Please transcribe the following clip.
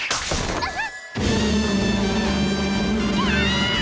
あっ。